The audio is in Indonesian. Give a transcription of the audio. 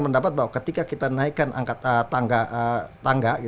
saya mendapat bahwa ketika kita naikkan angkat tangga